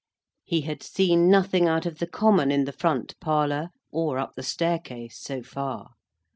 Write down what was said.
He had seen nothing out of the common in the front parlour, or up the staircase, so far.